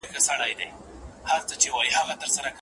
د حالاتو سترگې سرې دې له خماره